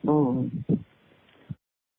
อืม